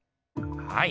はい。